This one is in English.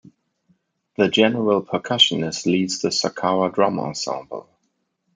The general percussionist leads the sakara drum ensemble.